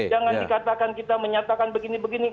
jangan dikatakan kita menyatakan begini begini